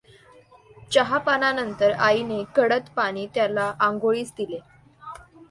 चहापानानंतर आईने कढत पाणी त्याला आंघोळीस दिले.